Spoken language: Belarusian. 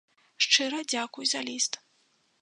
Шчыра дзякуй за ліст.